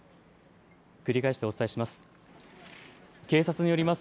繰り返してお伝えします。